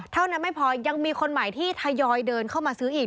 เท่านั้นไม่พอยังมีคนใหม่ที่ทยอยเดินเข้ามาซื้ออีก